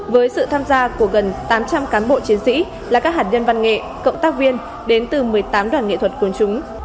với sự tham gia của gần tám trăm linh cán bộ chiến sĩ là các hạt nhân văn nghệ cộng tác viên đến từ một mươi tám đoàn nghệ thuật quần chúng